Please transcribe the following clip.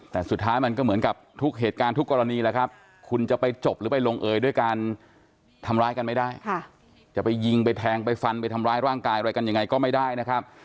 แต่สุดท้ายมันก็เหมือนกับทุกเหตุการณ์ทุกกรณีแหละครับคุณจะไปจบหรือไปลงเอยด้วยการทำร้ายกันไม่ได้จะไปยิงไปแทงไปฟันไปทำร้ายร่างกายอะไรกันยังไงก็ไม่ได้นะครับ